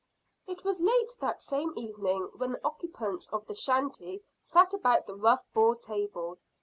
It was late that same evening when the occupants of the shanty sat about the rough board table.